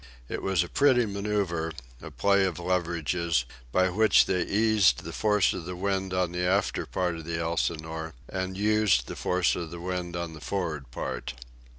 It was a pretty manoeuvre, a play of leverages, by which they eased the force of the wind on the after part of the Elsinore and used the force of the wind on the for'ard part.